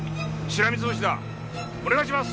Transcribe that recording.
お願いします！